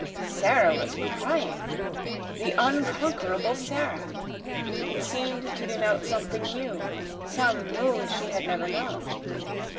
Sara was crying! The unconquerable Sara! It seemed to denote something new some mood she had never known.